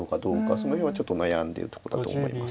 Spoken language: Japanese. その辺はちょっと悩んでるとこだと思います。